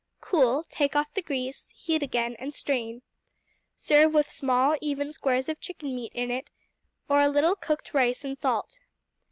Cool, take off the grease, heat again, and strain. Serve with small, even squares of chicken meat in it, or a little cooked rice and salt.